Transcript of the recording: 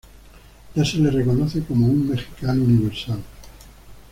Ya se le reconoce como "Un mexicano universal".